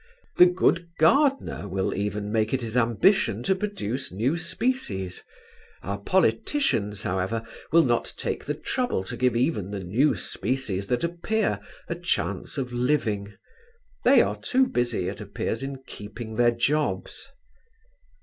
The good gardener will even make it his ambition to produce new species; our politicians, however, will not take the trouble to give even the new species that appear a chance of living; they are too busy, it appears, in keeping their jobs.